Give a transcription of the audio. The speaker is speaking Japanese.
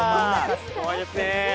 怖いですね。